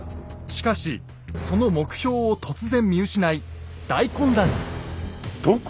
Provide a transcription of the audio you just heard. しかしその目標を突然見失い大混乱に。